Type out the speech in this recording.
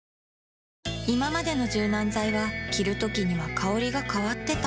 いままでの柔軟剤は着るときには香りが変わってた